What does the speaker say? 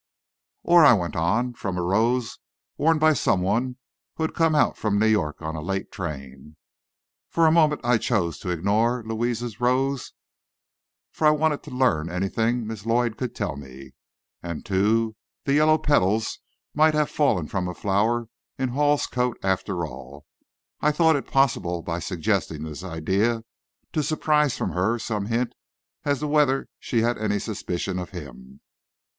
"Or," I went on, "from a rose worn by some one who had come out from New York on a late train." For the moment I chose to ignore Louis's rose for I wanted to learn anything Miss Lloyd could tell me. And, too, the yellow petals might have fallen from a flower in Hall's coat after all. I thought it possible by suggesting this idea, to surprise from her some hint as to whether she had any suspicion of him.